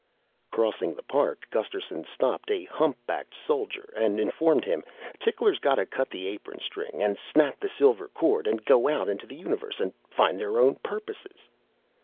Crossing the park, Gusterson stopped a hump backed soldier and informed him, "Ticklers gotta cut the apron string and snap the silver cord and go out in the universe and find their own purposes."